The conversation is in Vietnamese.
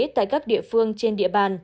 tại các địa phương trên địa bàn